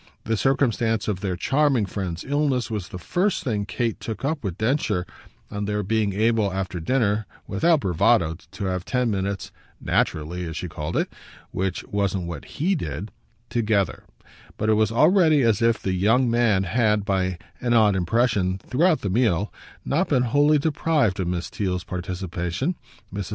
This circumstance of their charming friend's illness was the first thing Kate took up with Densher on their being able after dinner, without bravado, to have ten minutes "naturally," as she called it which wasn't what HE did together; but it was already as if the young man had, by an odd impression, throughout the meal, not been wholly deprived of Miss Theale's participation. Mrs.